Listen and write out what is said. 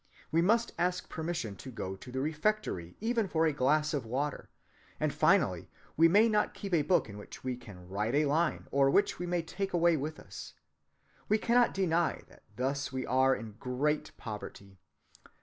We must ask permission to go to the refectory even for a glass of water; and finally we may not keep a book in which we can write a line, or which we may take away with us. One cannot deny that thus we are in great poverty.